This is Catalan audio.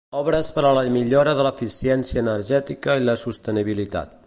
Obres per a la millora de l'eficiència energètica i la sostenibilitat.